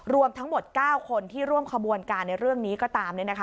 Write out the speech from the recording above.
รวมทั้งหมด๙คนที่ร่วมขบวนการในเรื่องนี้ก็ตาม